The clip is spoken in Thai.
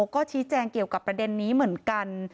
ก็ชี้แจงเกี่ยวกับประเด็นนี้เหมือนกัน